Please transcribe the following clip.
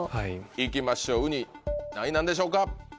いきましょううに何位なんでしょうか？